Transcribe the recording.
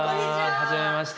はじめまして。